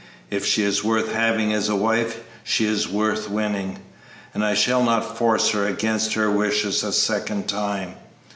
If she is worth having as a wife, she is worth winning, and I shall not force her against her wishes a second time."